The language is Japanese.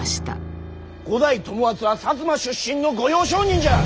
五代友厚は摩出身の御用商人じゃ！